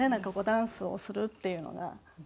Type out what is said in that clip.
ダンスをするっていうのが。